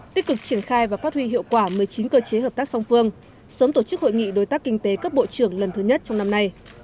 tích cực triển khai và phát huy hiệu quả một mươi chín cơ chế hợp tác song phương sớm tổ chức hội nghị đối tác kinh tế cấp bộ trưởng lần thứ nhất trong năm nay